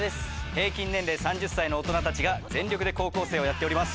平均年齢３０歳の大人たちが全力で高校生をやっております。